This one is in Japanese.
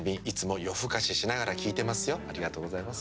ありがとうございます。